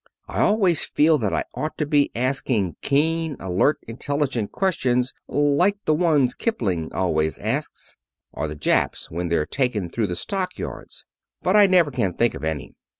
I always feel that I ought to be asking keen, alert, intelligent questions like the ones Kipling always asks, or the Japs when they're taken through the Stock Yards. But I never can think of any.